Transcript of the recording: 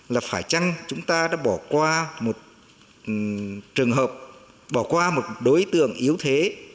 là phải chăng chúng ta đã bỏ qua một trường hợp bỏ qua một đối tượng yếu thế